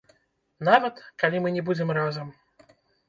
Нават, калі мы не будзем разам.